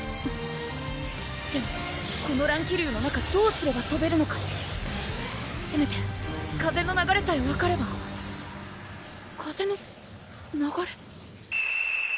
でもこの乱気流の中どうすればとべるのかせめて風の流れさえ分かれば風の流れ？